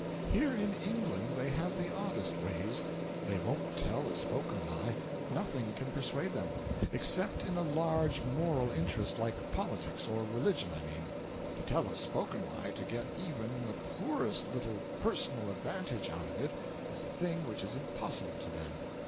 Here in England they have the oddest ways. They won't tell a spoken lie nothing can persuade them. Except in a large moral interest, like politics or religion, I mean. To tell a spoken lie to get even the poorest little personal advantage out of it is a thing which is impossible to them.